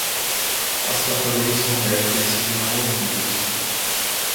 As tartarugas são répteis e não anfíbios.